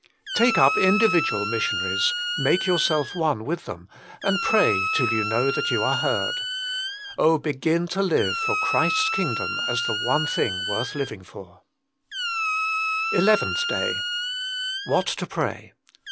Take up individual missionaries, make yourself one with them, and pray till you know that you are heard. Oh, begin to live for Christ s kingdom as the one thing worth living for ! M ECIAL PETITIONS THE MINISTRY OF INTERCESSION ELEVENTH DAY WHAT TO PRAY.